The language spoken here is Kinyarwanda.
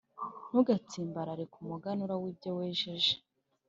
ntugatsimbarare ku muganura w’ibyo wejeje.